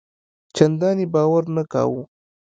چنداني باور نه کاوه.